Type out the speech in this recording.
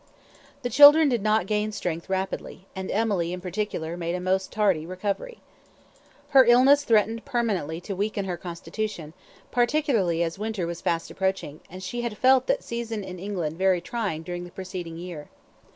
The children did not gain strength rapidly, and Emily in particular made a most tardy recovery. Her illness threatened permanently to weaken her constitution, particularly as winter was fast approaching, and she had felt that season in England very trying during the preceding year.